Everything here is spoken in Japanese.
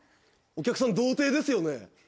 お客さん童貞ですよね？